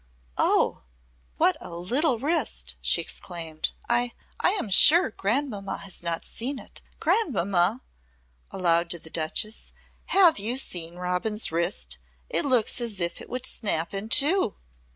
"Oh! What a little wrist!" she exclaimed. "I I am sure Grandmamma has not seen it. Grandmamma " aloud to the Duchess, "Have you seen Robin's wrist? It looks as if it would snap in two."